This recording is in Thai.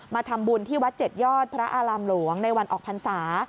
ทำบุญที่วัด๗ยอดพระอารามหลวงในวันออกพรรษา